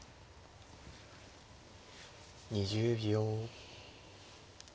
２０秒。